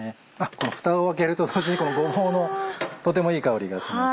このふたを開けるとごぼうのとてもいい香りがします。